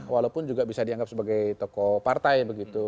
walaupun juga bisa dianggap sebagai tokoh partai begitu